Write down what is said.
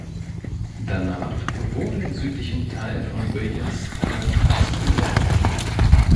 Danach wurde im südlichen Teil von Williams eine Highschool erbaut.